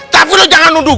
tapi lo jangan unduh